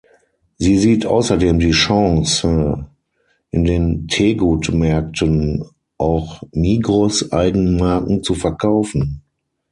Sie sieht außerdem die Chance, in den Tegut-Märkten auch Migros-Eigenmarken zu verkaufen.